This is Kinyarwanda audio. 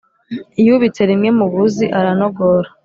yubitse rimwe mu buzi aranogora